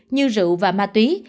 như rượu và ma túy